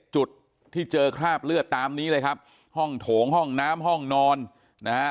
จุดที่เจอคราบเลือดตามนี้เลยครับห้องโถงห้องน้ำห้องนอนนะฮะ